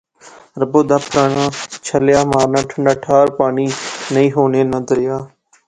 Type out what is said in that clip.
ربو دب پھرانا، چھلیا مارنا ٹھںڈا ٹھار پانی، نئیں خونے ناں دریا